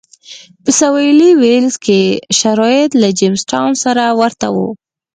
په سوېلي ویلز کې شرایط له جېمز ټاون سره ورته و.